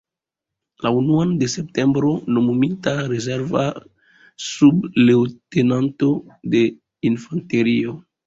La unuan de septembro nomumita rezerva subleŭtenanto de infanterio.